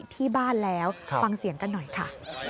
ที่บ้านแล้วฟังเสียงกันหน่อยค่ะ